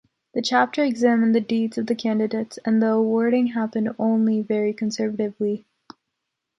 The chapter examined the deeds of the candidates and the awarding happened only very conservatively.